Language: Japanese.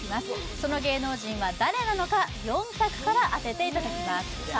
その芸能人は誰なのか４択から当てていただきますさあ